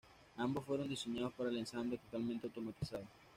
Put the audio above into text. Ambos fueron diseñados para el ensamble totalmente automatizado.